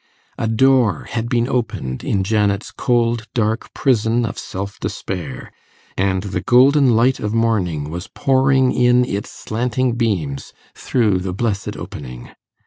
A door had been opened in Janet's cold dark prison of self despair, and the golden light of morning was pouring in its slanting beams through the blessed opening.